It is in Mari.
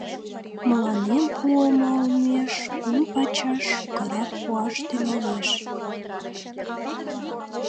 Мыланем пуымо олмеш кум пачаш шукырак пуаш тӱҥалеш.